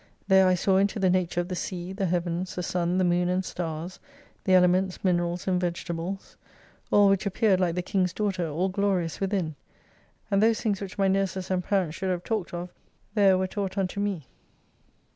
There I saw into the nature of the Sea, the Heavens, the Sun, the Moon and Stars, the Elements, Minerals, and Vegetables. All which appeared like the King's Daughter, all glorious within ; and those things which my nurses, and parents, should have talked of there were taught unto me.